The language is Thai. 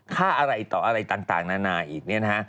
ค่าอะไรต่ออะไรต่างนานาอีก